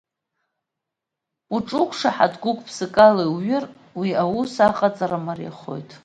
Уҿуқәшаҳаҭ гәык-ԥсыкала иуҩыр, уи аус аҟаҵара мариахоит.